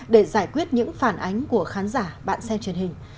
để giải quyết những phản ánh của khán giả bạn xem truyền hình